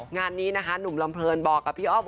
งานนี้นะคะหนุ่มลำเพลินบอกกับพี่อ้อม